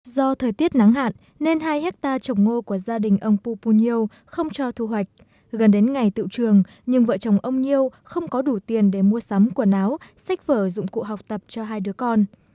do thời tiết nắng hạn nên hai hectare trồng ngô của gia đình ông pupu nhiêu không cho thu hoạch gần đến ngày tự trường nhưng vợ chồng ông nhiêu không có đủ tiền để mua sắm quần áo sách vở dụng cụ học tập cho hai đứa con